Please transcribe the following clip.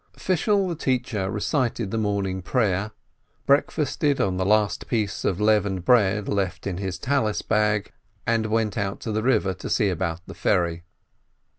Fishel the teacher recited the Morning Prayer, break fasted on the last piece of leavened bread left in his prayer scarf bag, and went out to the river to see about the ferry.